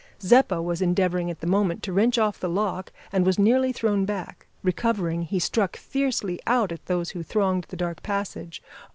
Zeppa was endeavouring at the moment to wrench off the lock and was nearly thrown back. Recovering, he struck fiercely out at those who thronged the dark passage.